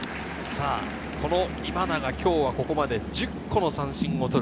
今永、今日ここまで１０個の三振を取る。